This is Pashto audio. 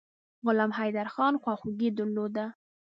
غلام حیدرخان خواخوږي درلوده.